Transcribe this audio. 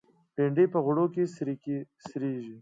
بېنډۍ په غوړ کې سرېږي